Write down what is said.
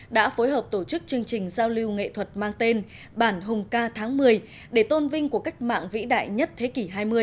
đã phối hợp tổ chức chương trình giao lưu nghệ thuật mang tên bản hùng ca tháng một mươi để tôn vinh của cách mạng vĩ đại nhất thế kỷ hai mươi